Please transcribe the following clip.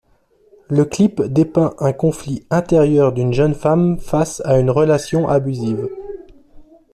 Le clip dépeint un conflit intérieur d'une jeune femme face à une relation abusive.